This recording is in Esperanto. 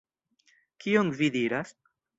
Kion vi diras?